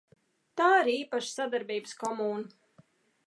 Tā ir īpaša sadarbības komūna.